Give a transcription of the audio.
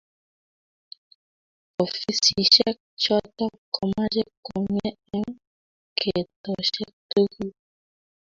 Ofisishek chotok ko mache komie eng' ketoshek tugul